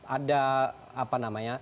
ada apa namanya